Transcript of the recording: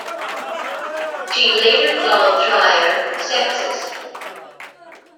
She later called Trier sexist.